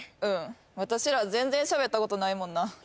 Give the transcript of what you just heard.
うん私ら全然喋ったことないもんな